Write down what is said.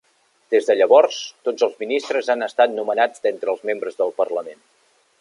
Des de llavors, tots els ministres han estat nomenats d'entre els membres del Parlament.